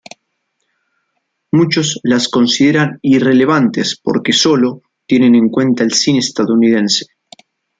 Muchos las consideran irrelevantes porque sólo tienen en cuenta el cine estadounidense.